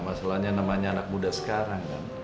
masalahnya namanya anak muda sekarang kan